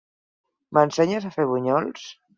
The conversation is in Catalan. M'ensenyes a fer bunyols?